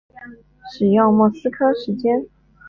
使用莫斯科时间。